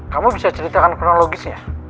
kamu bisa ceritakan kurang logisnya